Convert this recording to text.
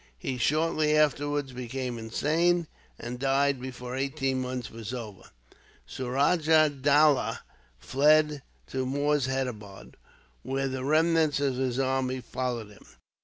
He shortly afterwards became insane, and died before eighteen months were over. Suraja Dowlah fled to Moorshedabad, where the remnants of his army followed him.